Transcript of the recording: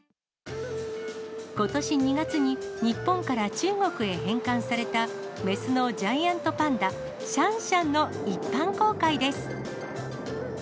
ことし２月に日本から中国へ返還された雌のジャイアントパンダ、シャンシャンの一般公開です。